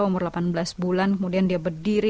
umur delapan belas bulan kemudian dia berdiri